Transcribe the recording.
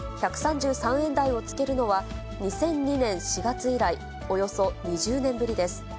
１３３円台をつけるのは、２００２年４月以来およそ２０年ぶりです。